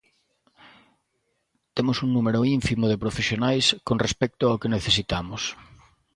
Temos un número ínfimo de profesionais con respecto ao que necesitamos.